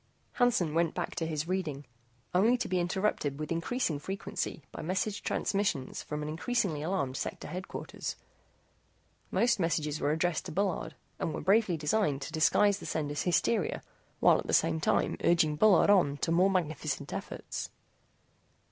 Hansen went back to his reading, only to be interrupted with increasing frequency by message transmissions from an increasingly alarmed Sector Headquarters. Most messages were addressed to Bullard, and were bravely designed to disguise the senders' hysteria, while at the same time urging Bullard on to more magnificent efforts.